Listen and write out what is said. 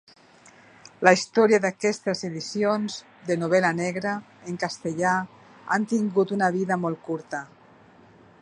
La història d'aquestes edicions de novel·la negra en castellà han tingut una vida molt curta.